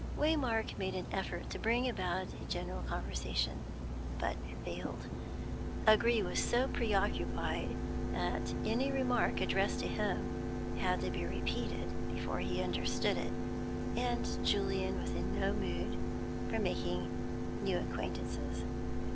Waymark made an effort to bring about a general conversation, but failed; O'Gree was so preoccupied that any remark addressed to him had to be repeated before he understood it, and Julian was in no mood for making new acquaintances.